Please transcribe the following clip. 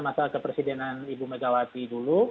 masa kepresidenan ibu megawati dulu